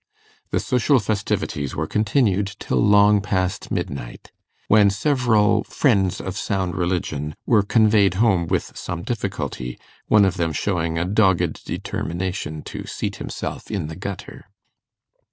The social festivities were continued till long past midnight, when several friends of sound religion were conveyed home with some difficulty, one of them showing a dogged determination to seat himself in the gutter.